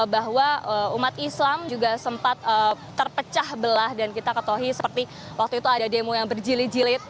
bahwa umat islam juga sempat terpecah belah dan kita ketahui seperti waktu itu ada demo yang berjilid jilid